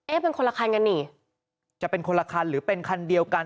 เป็นคนละคันกันนี่จะเป็นคนละคันหรือเป็นคันเดียวกัน